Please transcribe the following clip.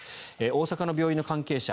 大阪の病院の関係者